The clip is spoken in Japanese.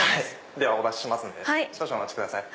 ではお出ししますので少々お待ちください。